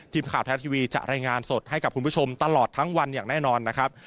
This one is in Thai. ทีมข่าวไทยรัฐทีวีจะรายงานสดให้กับคุณผู้ชมตลอดทั้งวันอย่างแน่นอนนะครับ